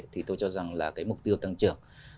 thì tôi cho rằng là cái mục tiêu tăng trưởng